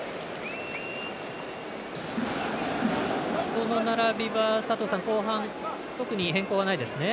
人の並びは後半特に変更はないですね。